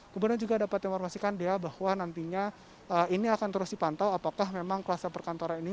kemudian juga dapat informasikan dea bahwa nantinya ini akan terus dipantau apakah memang kluster perkantoran ini